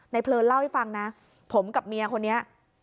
เพลินเล่าให้ฟังนะผมกับเมียคนนี้